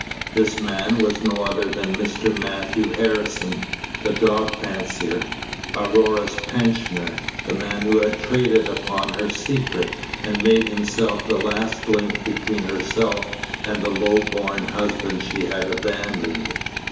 This man was no other than Mr. Matthew Harrison, the dog fancier, Aurora's pensioner, the man who had traded upon her secret, and made himself the last link between herself and the low born husband she had abandoned.